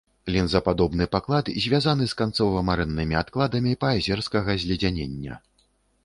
Лінзападобны паклад звязаны з канцова-марэннымі адкладамі паазерскага зледзянення.